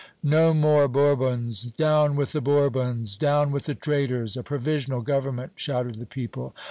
"No more Bourbons! Down with the Bourbons! Down with the traitors! A provisional government!" shouted the people.